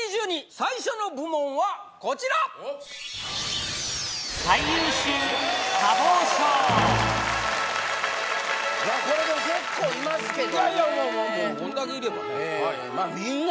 最初の部門はこちらいやこれでも結構いますけどねいやいやもうもうもうこんだけいればね